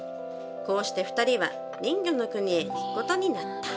こうして２人は人魚の国へ行くことになった」。